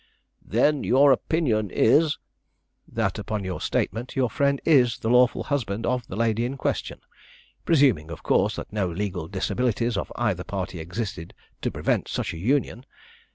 "Then your opinion is " "That upon your statement, your friend is the lawful husband of the lady in question; presuming, of course, that no legal disabilities of either party existed to prevent such a union.